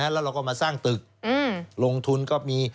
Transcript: แล้วเราก็มาสร้างตึกลงทุนก็มี